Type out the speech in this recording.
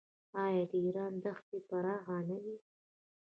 آیا د ایران دښتې پراخې نه دي؟